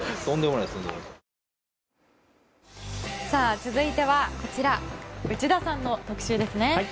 続いては内田さんの特集ですね。